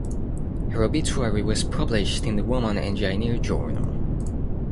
Her obituary was published in "The Woman Engineer" journal.